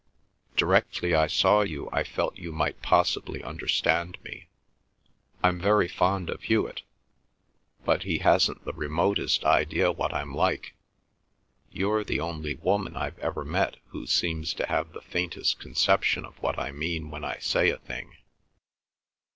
Directly I saw you I felt you might possibly understand me. I'm very fond of Hewet, but he hasn't the remotest idea what I'm like. You're the only woman I've ever met who seems to have the faintest conception of what I mean when I say a thing."